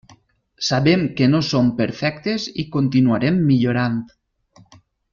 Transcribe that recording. Sabem que no som perfectes i continuarem millorant.